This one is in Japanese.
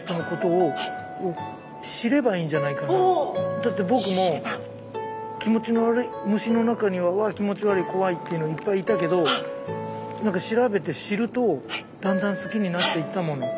だって僕も気持ちの悪い虫の中にはわ気持ち悪い怖いっていうのいっぱいいたけど何か調べて知るとだんだん好きになっていったもの。